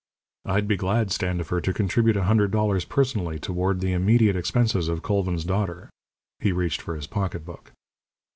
"I'd be glad, Standifer, to contribute a hundred dollars personally toward the immediate expenses of Colvin's daughter." He reached for his pocketbook.